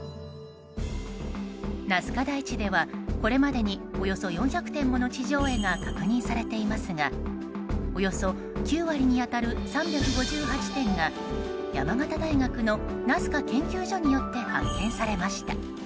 ナスカ台地では、これまでにおよそ４００点もの地上絵が確認されていますがおよそ９割に当たる３５８点が山形大学のナスカ研究所によって発見されました。